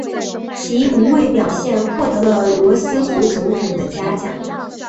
其无畏表现获得了罗斯福总统的嘉奖。